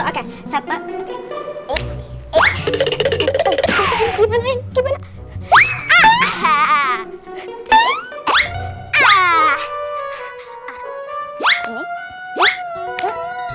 kok sendiri di sini yang lain mana